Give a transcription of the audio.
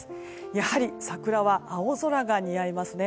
やはり、桜は青空が似合いますね。